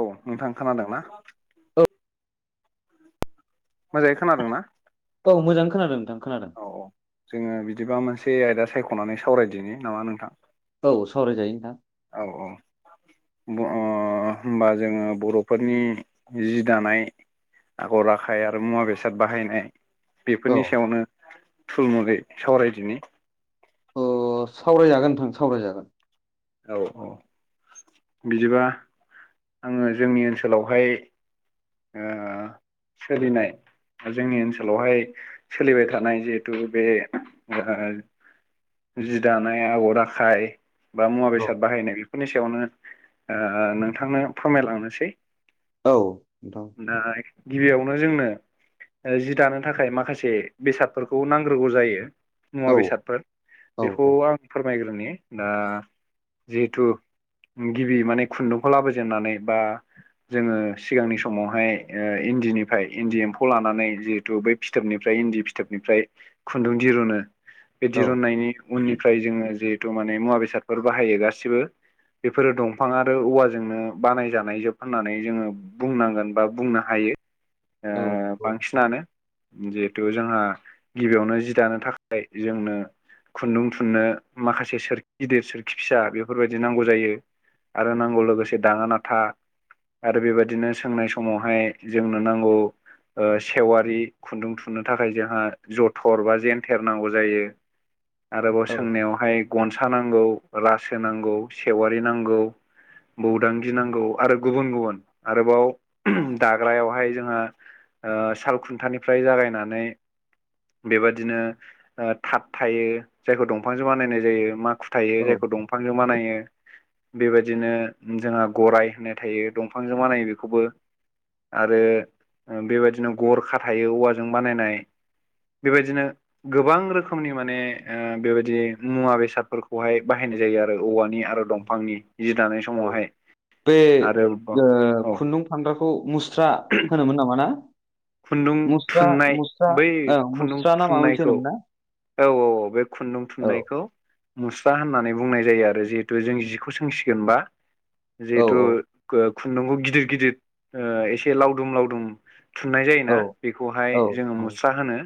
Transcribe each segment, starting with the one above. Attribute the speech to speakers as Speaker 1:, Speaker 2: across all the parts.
Speaker 1: औ नोंथां खोनादों ना? मोजाङै खोनादों ना?
Speaker 2: औ मोजां खोनादों नोंथां खोनादों।
Speaker 1: अ जोङो बिदिबा मोनसे आयदा सायख'नानै सावरायदिनि नामा नोंथां?
Speaker 2: औ सावरायजायो नोंथां।
Speaker 1: औ औ। ओ होमबा जोङो बर'फोरनि जि दानाय आगर आखाइ आरो मुवा बेसाद बाहायनाय
Speaker 2: औ
Speaker 1: बेफोरनि सायावनो थुल मुुरै सावरायदिनि।
Speaker 2: औ सावरायजागोन नोंथां सावरायजागोन।
Speaker 1: औ औ बिदिबा आङो जोंनि ओनसोलावहाय ओ सोलिनाय जोंनि ओनसोलावहाय सोलिबाय थानाय जिहेथु बे ओ जि दानाय आगर आखाय बा मुवा-बेसाद बाहायनाय बेफोरनि सायावनो ओ नोंथांनो फोरमायलांनोसै।
Speaker 2: औ नोंथां
Speaker 1: दा गिबियावनो जोंनो जि दानो थाखाय माखासे बेसादफोरखौ नांग्रोगौ जायो।
Speaker 2: औ
Speaker 1: मुवा बेसादफोर
Speaker 2: औ
Speaker 1: बेखौ आं फोरमायग्रोनि दा जिहेथु गिबि माने खुन्दुंखौ लाबोजेननानै बा जोङो सिगांनि समावहाय ओ इन्दिनिफ्राय इन्दि एम्फौ लानानै जिहेथु बै- फिथोबनिफ्राय इन्दि फिथोबनिफ्राय खुन्दुं दिरुनो बे
Speaker 2: औ
Speaker 1: दिरुननायनि उननिफ्राय जोङो जिहेथु माने मुवा बेसादफोर बाहायो गासिबो। बेफोरो दंफां आरो औवाजोंनो बानायजानाय जोब होननानै जोङो बुंनांगोन बा बुंनो हायो। ओ बांसिनानो जिहेथु जोंहा गिबियावनो जि दानो थाखाय जोंनो खुन्दुं थुननो माखासे सोरखि गिदिर सोर- खि फिसा बेफोरबायदि नांगौ जायो आरो नांगौ लोगोसे दाङा नाथा आरो बेबायदिनो सोंनाय समावहाय जोंनो नांगौ सेवारि खुन्दुं थुननो थाखाय जोंहा जथर बा जेनथेर नांगौ जायो। आरोबाव
Speaker 2: औ
Speaker 1: सोंनायावहाय गनसा नांगौ, रासो नांगौ, सेवारि नांगौ। बौदांगि नांगौ आरो गुबुन गुबुन। आरोबाव दाग्रायावहाय जोंहा ओ साल खुन्थानिफ्राय जागायनानै बेबादिनो थाक थायो जायखौ दंफांजों बानायनाय जायो मा- थायो
Speaker 2: औ
Speaker 1: जायखौ दंफांजों बानायो बेबायदिनो जोंहा गराइ होननाय थायो दंफांजों मानायो बेखौबो। आरो बेबायदिनो गरखा थायो औवाजों बानायनाय। बेबायदिनो गोबां रोखोमनि माने ओ बेबायदि मुवा बेसादफोरखौहाय बाहायनाय जायो आरो औवानि आरो दंफांनि जि दानाय
Speaker 2: औ
Speaker 1: समावहाय आरोबाव औ
Speaker 2: सानद्राखौ मुस्रा
Speaker 1: [unintelligible]
Speaker 2: होनोमोन नामा ना?
Speaker 1: खुन्दुं
Speaker 2: मुस्रा
Speaker 1: थुननाय
Speaker 2: मुस्रा
Speaker 1: बै
Speaker 2: औ
Speaker 1: खुन्दुं
Speaker 2: मुस्रा ना माबा मोनसे
Speaker 1: थुननायखौ
Speaker 2: होनोमोन ना?
Speaker 1: औ औ औ बे खुन्दुं
Speaker 2: औ
Speaker 1: थुननायखौ। मुस्रा होननानै बुंनाय जायो आरो जिहेथु जों जिखौ सोंसिगोनबा
Speaker 2: औ
Speaker 1: जिहेथु
Speaker 2: औ
Speaker 1: खुन्दुंखौ गिदिर गिदिर ओ एसे लावदुम लावदुम थुननाय
Speaker 2: औ
Speaker 1: जायोना।
Speaker 2: औ
Speaker 1: बेखौहाय
Speaker 2: औ
Speaker 1: जोङो मुस्रा होनो।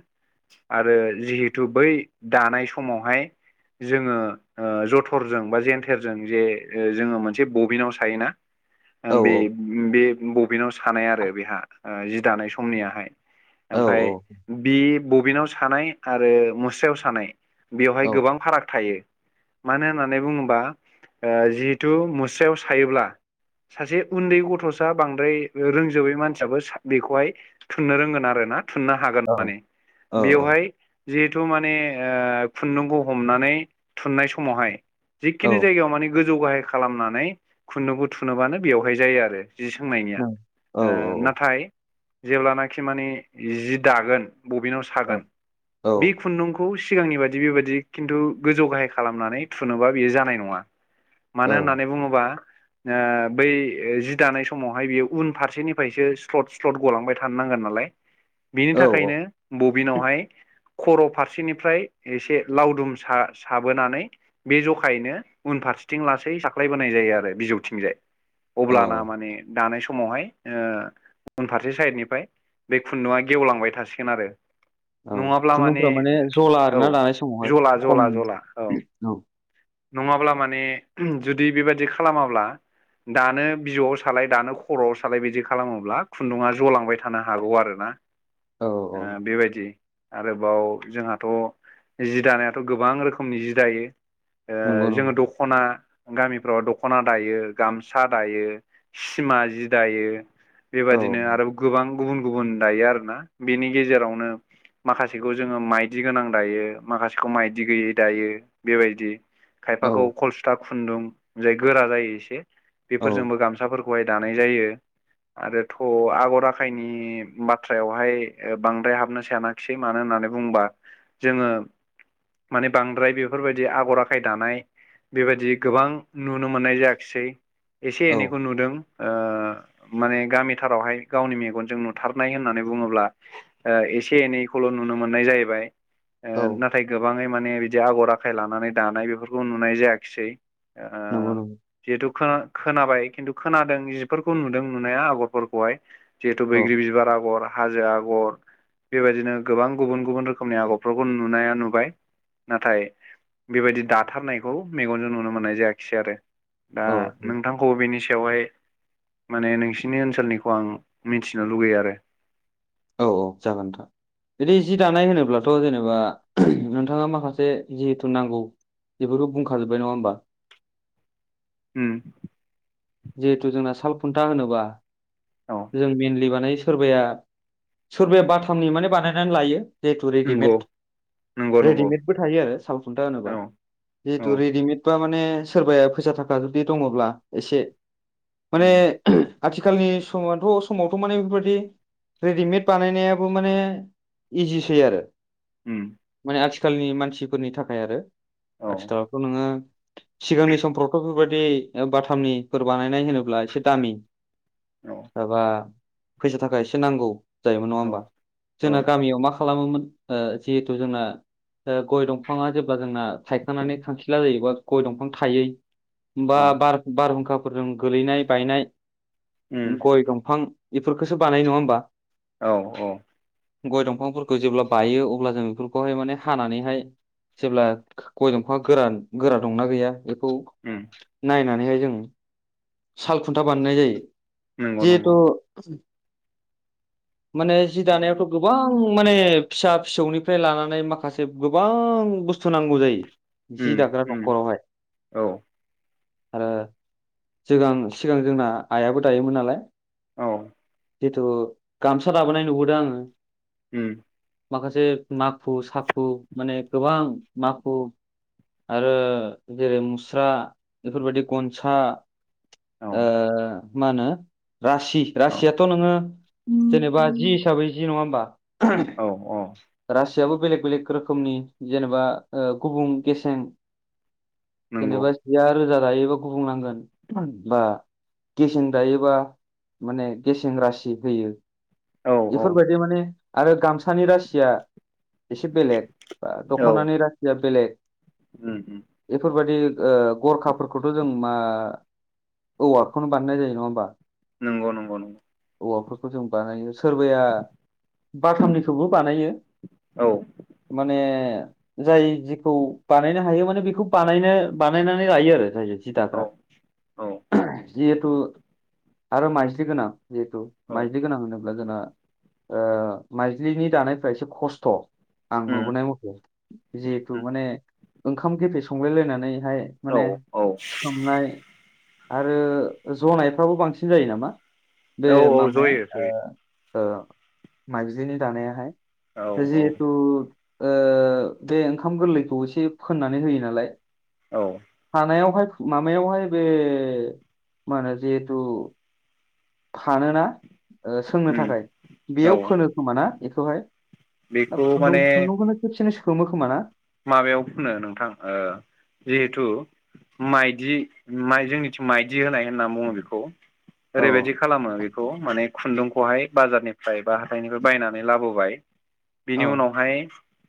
Speaker 1: आरो जिहेथु बै दानाय समावहाय जोङो ओ जथरजों बा जेेनथेरजों जे ओ जोङो मोनसे बबिनाव सायोना
Speaker 2: औ
Speaker 1: बे बे बबिेनाव सानाय आरो बेहा ओ जि दानाय समनियाहाय।
Speaker 2: औ
Speaker 1: ओमफफ्राय बि बबिनाव सानाय आरो मुस्रायाव सानाय।
Speaker 2: औ
Speaker 1: बेवहाय गोबां फाराग थायो। मानो होननानै बुङोबा ओ जिहेथु मुस्रायाव सायोब्ला सासे उन्दै गथ'सा बांद्राय रोंजोबै मानसियाबो सा बेखौहाय थुननो रोंगोन ना रोङा? थुननो हागोन
Speaker 2: औ
Speaker 1: माने बेवहाय जिहेथु माने ओ खुन्दुंखौ हमनानै थुननाय समावहाय जिखिनि जायगायाव माने गोजौ गाहाय खालामनानै खुन्दुंखौ गुथुनोबानो बेवहाय जायो आरो जि सोंनायनिया ओ नाथाय जेब्लानाखि माने जि दागोन बबिनाव सागोन बे खुन्दुंखौ सिगांनि बाददि बेबायदिि खिन्थु गोजौ गाहाय खालामनानै थुनोबा बेयो जानाय नङा। मानो होननानै बुङोबा ओ बै जि दानाय समावहाय बियो उनफारसेनिफ्रायसो स्लदस स्लथ गलांबाय थानो नांगोन नालाय बिनि
Speaker 2: औ
Speaker 1: थाखायनो बबिनावहाय खर' फारसेनिफ्राय एसे लावदुम सा साबोनानै बे जखायैनो उनफारसेथिं लासै साख्लायबोनाय जायो आरो बिजौथिंजाय।
Speaker 2: औ
Speaker 1: अब्लाना माने दानाय समावहाय ओ उनफारसे साइडनिफ्राय बे खुन्दुआ गेवलांबाय थासिगोन आरो।
Speaker 2: औ
Speaker 1: नङाब्ला माने
Speaker 2: खुन्दुंफोरा जला
Speaker 1: औ
Speaker 2: आरोना दानाय समावहाय
Speaker 1: जला
Speaker 2: खम
Speaker 1: जला जला औ। नङाब्ला माने जुदि बेबायाददि खालामाब्ला दानो बिजौआव सालाय दानो खर'आव सालाय बिदि खालामोब्ला खुन्दुङा जलांबाय थानो हागौ आरोना
Speaker 2: औ
Speaker 1: ओ
Speaker 2: औ
Speaker 1: बेबायदि आरोबाव जोंहाथ' जि दानायाथ' गोबां रोखोमनि जि दायो। ओ
Speaker 2: नंगौ
Speaker 1: जोङो
Speaker 2: नंगौ
Speaker 1: दख ख'ना, गामिफ्राव दख'ना दायो, गामसा दायो, सिमा जि दायो।
Speaker 2: औ
Speaker 1: बेबायदिनो आरो गोबां गुबुन गुबुन दायो आरोना बेनि गेजेरावनो माखासेखौ जोङो माइदि गोनां दायो माखासेखौ माइदि गैयै दायो बेबायदि। खायफाखौ
Speaker 2: औ
Speaker 1: खलसुथा खुन्दुं जाय गोरा जायो एसे
Speaker 2: औ
Speaker 1: बेफोरजोंबो गामसाफोर खौ हाय दानाय जायो। आरोथ' आगर-आखायनि बाथ्रायावहाय ओ बांद्राय हाबनो साना खिसै मानो होननानै बुङोबा जोङो माने बांद्राय बेफोरबायदि आगर-आखाय दानाय बेबायदि गोबां नुनो मोननाय जायाखिसै एसे
Speaker 2: औ
Speaker 1: एनैखौ नुदों ओ माने गामिथारावहाय गावनि मेगनजों नुथारनाय होननानै बुङोब्ला ओ एसे एनैखौल' नुनो मोननाय जाहैबाय। ओ
Speaker 2: औ
Speaker 1: नाथाय गोबाङै माने बिदि आगर आखाय लानानै दानाय बेफोरखौ नुनाय जायाखिसै। ओ
Speaker 2: नंगौ नंगौ
Speaker 1: जिहेथु खो खोनाबाय खिन्थु खोनादों जिफोरखौ नुदों नुनाया आगरफोरखौहाय जिहेतु
Speaker 2: औ
Speaker 1: बैग्रि बिबार आगर, हाजो आगर बेबायदिनो गोबां गुबुन गुबुन रोखोमनि आगरफोरखौ नुनाया नुबाय नाथाय बेबायदि दाथारनायखौ मेगनजों नुनो मोननाय जायाखिसै आरो। दा
Speaker 2: औ औ
Speaker 1: नोंथांखौ बेनि सायावहाय माने नोंसिनि ओनसोलनिखौ आं मिथिनो लुगैयो आरो।
Speaker 2: औ औ जागोन नोंथां बिदि जि दानाय होनोब्लाथ' जेनेबा नोंथाङा माखासे जिहेथु नांगौ बेफोरखौ बुंखाजोबबाय नङा होनबा?
Speaker 1: उम
Speaker 2: जिहेथु जोंना साल खुन्था होनोबा
Speaker 1: औ
Speaker 2: जों मइेनलि बानायो सोरबाया सोरबाया बाथामनि माने बानायनानै लायो जिहेतु
Speaker 1: नंगौ
Speaker 2: रेडिमेड
Speaker 1: नंगौ नंगौ
Speaker 2: रेडिमेडबो थायो आरो साल खुन्था
Speaker 1: औ
Speaker 2: होनोबा
Speaker 1: औ
Speaker 2: जिहेतु रेडिमेड बा माने सोरबाया फैसा थाखा जुदि दङब्ला एसे माने
Speaker 1: उम
Speaker 2: आथिखालनि समाथ' समावथ' माने बेफोरबायदि रेडिमेड बानायनायाबो माने इजिसै आरो
Speaker 1: उम
Speaker 2: माने आथिखालनि मानसिफोरनि थाखाय आरो
Speaker 1: औ
Speaker 2: आथिखालावथ' नोङो सिगांनि समफ्रावथ' बेफोरबायदि बाथामनिफोर बानायनाय होनोब्ला एसे दामि
Speaker 1: औ
Speaker 2: माबा फैसा-थाख एसे नांगौ जायोमोन। नङा होमबा?
Speaker 1: औ औ
Speaker 2: जोंना गामियाव मा खालामोमोन ओ जिहेथु जोंना ओ गय दंफाङा जेब्ला जोंना थायखांनानै खांखिला जायो बा गय दंफां थायै
Speaker 1: औ
Speaker 2: बा बार बारहुंखाफोरजों गोलैनाय बायनाय
Speaker 1: उम
Speaker 2: गय दंफां बेफोरखौसो बानायो नङा होमबा?
Speaker 1: औ अ
Speaker 2: गय दंफांफोरखौ जेब्ला बायो अब्ला जों बेफोरखौहाय माने हानानैहाय जेब्ला गय दंफाङा गोरान गोरा दंना गैया बेखौ
Speaker 1: उम
Speaker 2: नायनानैहाय जों साल खुन्था बानायनाय जायो
Speaker 1: नंगौ नंगौ
Speaker 2: जिहेथु माने जि दानायावथ' गोबां माने फिसा फिसौनिफ्राय लानानै माखासे गोबां बुस थु नांगौ जायो जि
Speaker 1: उम
Speaker 2: दाग्रा
Speaker 1: उम
Speaker 2: न'खरावहाय
Speaker 1: औ
Speaker 2: आरो जोगां सिगां जोंना आइयाबो दायोमोन नालाय
Speaker 1: औ
Speaker 2: जिथु गामसा दाबोनाय नुबोदों आङो।
Speaker 1: उम
Speaker 2: माखासे माखु साखु माने गोबां माखु आरो जेरै मुस्रा बेफोरबायदि गन सा
Speaker 1: औ
Speaker 2: ओ माहोनो रासि
Speaker 1: औ
Speaker 2: रासियाथ' नोङो जेनेबा जि हिसाबै जि नङा होमबा
Speaker 1: औ अ
Speaker 2: रासियाबो बेलेग बेलेग रोखोमनि जेनेबा ओ गुबुं गेसें
Speaker 1: नंगौ
Speaker 2: जेनेबा जिया रोजा दायोबा गुबुंनांगोन बा गेसें दायोबा माने गेसें रासि होयो।
Speaker 1: औ औ
Speaker 2: बेफोरबायदि माने आरो गामसानि रासिया एसे बेलेग बा
Speaker 1: औ
Speaker 2: दखनानि रासिया बेलेग
Speaker 1: उम उम
Speaker 2: बेफोरबायदि ओ गरखाफोरखौ बो जों मा औवाखौनो बानायनाय जायो नङा होमबा
Speaker 1: नंगौ नंगौ नंगौ
Speaker 2: औवाफोरखौ जों बानायो सोरबाया बाथामनिखौबो बानायो।
Speaker 1: औ
Speaker 2: माने जाय जिखौ बानायनो हायो माने बेखौ बानायनो बानायनानै लायो आरो जाय जि
Speaker 1: औ
Speaker 2: दाग्रा
Speaker 1: औ
Speaker 2: जिहेथु आरो माइज्लि गोनां। जिहेथु
Speaker 1: औ
Speaker 2: मायदि गोनां होनोब्ला जोंना ओ माइज्लिनि दानायफ्रा एसे खस्थ' आं
Speaker 1: उम
Speaker 2: नुबोनाय मथे जिहेथु
Speaker 1: उम
Speaker 2: माने ओंखाम गेफे संलायलायनानैहाय
Speaker 1: औ
Speaker 2: माने
Speaker 1: औ
Speaker 2: सोमनाय आरो जनायफ्राबो बांसिन जायो नामा? बे
Speaker 1: जयो
Speaker 2: माबाया
Speaker 1: जयो
Speaker 2: ओ ओ माइजिनि दानायाहाय
Speaker 1: औ औ
Speaker 2: जिहेथु ओ बे ओंखाम गोरलैखौ एसे फोननानै होयो नालाय
Speaker 1: औ
Speaker 2: हानायावहाय माबायावहाय बे मा होनो जिहेथु फानोना ओ सोंनो
Speaker 1: उम
Speaker 2: थाखाय
Speaker 1: औ
Speaker 2: बेयाव फोनो खोमाना बेखौहाय
Speaker 1: बेखौ
Speaker 2: फुन्दुं
Speaker 1: माने
Speaker 2: खुन्दुंखौनो खबसेनो सोमो खोमा ना
Speaker 1: माबायाव फुनो नोंथां ओ जिहेथु माइदि माय जोंनिथिं माइदि होनाय होनना बुङो बेखौ
Speaker 2: औ
Speaker 1: ओरैबायदि खालामो बेखौ माने खुन्दुंखौहाय बाजारनिफ्राय बा हाथाइनिफ्राय बायनानै लाबोबाय।
Speaker 2: औ
Speaker 1: बेनि उनावहाय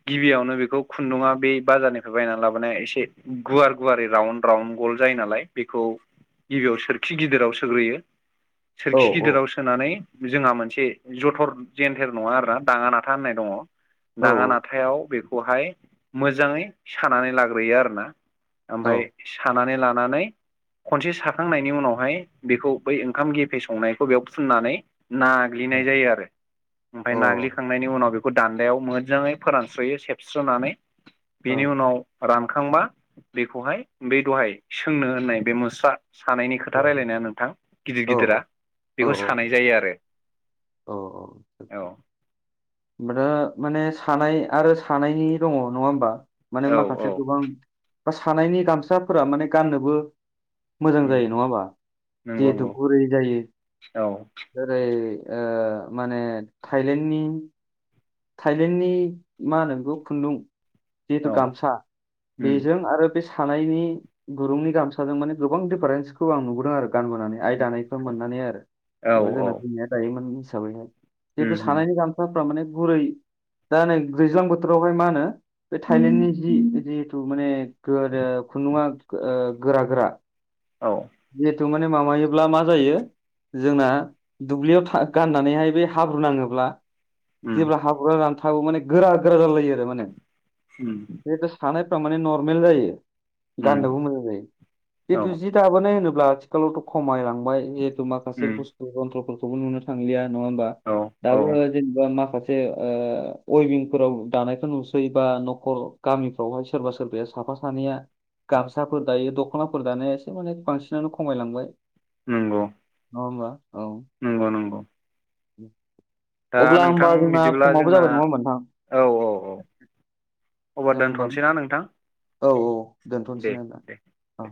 Speaker 1: गिबियावनो बेखौ खुन्दुङा बे बाजारनिफ्राय बायनानै लाबोनाया एसे गुवार गुवारै राउन्ड राउन गल जायो नालाय बेखौ गिबियाव सोरखि गिदिराव सोग्रोयो
Speaker 2: औ
Speaker 1: सोरखि गिदिराव सोनानै जोंहा मोनसे जथर जेन्थेर नङा आरोना दाङा नाथा होननाय दङ।
Speaker 2: औ
Speaker 1: नाङा नाथायाव बेखौहाय मोजाङै सानानै लाग्रोयो आरोना।
Speaker 2: औ
Speaker 1: ओमफ्राय सानानै लानानै खनसे साखांनायनि उनावहाय बेखौ बै ओंखाम गेफे संनायखौ बेयाव फुननानै नाग्लिनाय जायो आरो ओमफ्राय
Speaker 2: औ
Speaker 1: नाग्लिखांनायनि उनाव बेखौ दान्दायाव मोजाङै फोरानस्रयो सेबस्रोनानै
Speaker 2: औ
Speaker 1: बेनि उनाव रानखांबा बेखौहाय बे दहाय सोंनो होननाय बे मुस्रा सानायनि खोथा रायजलायनाया नोंथां गिदिर गिदिरा
Speaker 2: औ
Speaker 1: बेखौ सानाय जायो आरो औ
Speaker 2: ओमफ्राय दा माने सानाय आरो सानायनि दङ नङा होमबा माने
Speaker 1: औ औ
Speaker 2: माखासे गोबां बा सानायनि गामसाफोरा माने गाननोबो मोजां
Speaker 1: उम
Speaker 2: जायो नङा होमबा
Speaker 1: नंगौ
Speaker 2: जिहेथु
Speaker 1: नंगौ
Speaker 2: गुरै जायो
Speaker 1: औ
Speaker 2: जेरै ओ माने थाइलेण्डनि थाइलेण्डनि मा होनोखौ खुन्दुं जिहेथु
Speaker 1: औ
Speaker 2: गामसा
Speaker 1: उम
Speaker 2: बेजों आरो बे सानायनि दुरुंनि गामसाजों माने गोबां दिडिफारेन्सखौ आं नुबोदों आरो गानबोनानै आइ दानायखौ मोननानै आरो
Speaker 1: औ औ
Speaker 2: जेनबा जोंना जोंनिया दायोमोन हिसाबैहाय जितु
Speaker 1: उम उम
Speaker 2: सानैनि गाम साफ्रा माने गुरै दा नै गोज्लां बोथोरावहाय मा होनो बे थाइलेण्डनि जि जिथु माने गोदो खुन्दुआ ओ गोरा गोरा
Speaker 1: औ
Speaker 2: जिहेथु माने माबायोब्ला मा जायो जोंना दुब्लियाव था गाननानैहाय बे हाब्रु नाङोब्ला
Speaker 1: उम
Speaker 2: जेब्ला हाब्रुवा रानथाबो माने गोरा गोरा जालायलायो आरो माने
Speaker 1: उम
Speaker 2: थानायफ्रा माने नर्मेल जायो
Speaker 1: उम
Speaker 2: गान्दबो मोजां जायो
Speaker 1: औ
Speaker 2: जेतु जि दाबोनाय होनोब्ला आथिखालावथ' खमायलांबाय जिहेथु माखासे
Speaker 1: उम
Speaker 2: बुस्थु जनत्र फोर खौबो नुनो थांलिया नङा होमबा
Speaker 1: औ औ
Speaker 2: दाबो जेनेबा मा माखासे ओ अयभिंफोराव दानायखौ नुसै बा न'खर गामि बेवहाय सोरबा सोरबाया साफा सानैया गामसाफोर दायो दख'नाफोर दानाया एसे माने बांसिनानो खमायलांबाय
Speaker 1: नंगौ
Speaker 2: नङा होमबा औ
Speaker 1: नंगौ नंगौ
Speaker 2: उ
Speaker 1: दा नोंथां बिदिब्ला जोंना
Speaker 2: नोंथां
Speaker 1: औ औ औ अब्ला
Speaker 2: जों होमबा
Speaker 1: दोनथ'नोसै ना नोंथां
Speaker 2: औ दोनथ'नोसै
Speaker 1: दे
Speaker 2: ना होमबा
Speaker 1: दे
Speaker 2: औ